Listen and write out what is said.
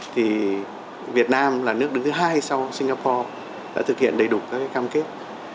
thì việt nam là nước đứng thứ hai sau singapore đã thực hiện đầy đủ các cam kết